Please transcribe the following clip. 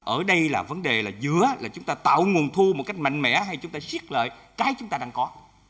ở đây là vấn đề là giữa là chúng ta tạo nguồn thu một cách mạnh mẽ hay chúng ta siết lợi cái chúng ta đang có